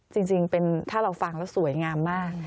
จริงถ้าเราฟังแล้วสวยงามมาก